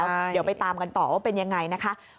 เดี๋ยวไปตามกันต่อว่าเป็นยังไงนะคะ